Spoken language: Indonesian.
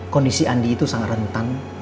kondisi andi itu sangat rentan